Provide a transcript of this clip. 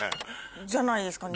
じゃないですかね？